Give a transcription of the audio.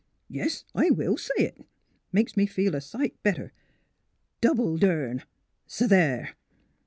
— Yes ! I will say it ! Makes me feel a sight better. Double durn ! S' there!"